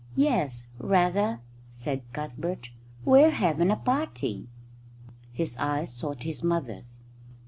"Yes, rather," said Cuthbert. "We're having a party." His eyes sought his mother's.